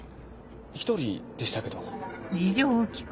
１人でしたけど。